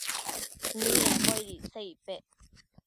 midambo aid icsa icpec ?